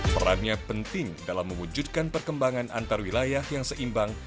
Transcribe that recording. perannya penting dalam mewujudkan perkembangan antarwilayah yang seimbang